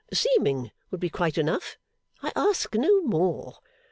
Seeming would be quite enough: I ask no more.